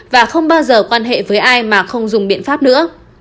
và không bao giờ quan hệ với ai mà không dùng biện pháp nữa